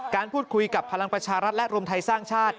การพูดคุยกับพลังประชารัฐและรวมไทยสร้างชาติ